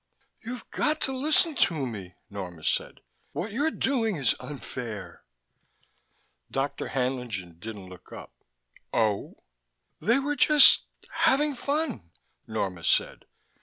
"You've got to listen to me," Norma said. "What you're doing is unfair." Dr. Haenlingen didn't look up. "Oh?" "They were just having fun," Norma said.